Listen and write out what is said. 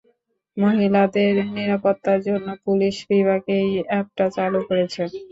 মহিলাদের নিরাপত্তার জন্য পুলিশ বিভাগ এই অ্যাপটা চালু করেছে।